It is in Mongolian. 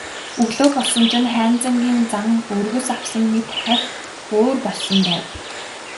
Өглөө болсон чинь Хайнзангийн зан өргөс авсан мэт хахь өөр болсон байв.